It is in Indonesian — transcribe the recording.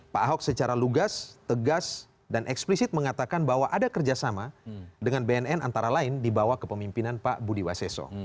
pak ahok secara lugas tegas dan eksplisit mengatakan bahwa ada kerjasama dengan bnn antara lain dibawah kepemimpinan pak budi waseso